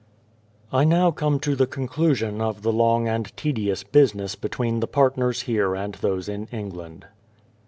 I now come to the conclusion of the long and tedious business between the partners here and those in England.